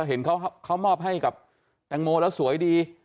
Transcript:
เห็นเขามอบให้กับแตงโมแล้วสวยดี